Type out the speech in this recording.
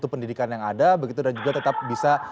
pendidikan yang ada begitu dan juga tetap bisa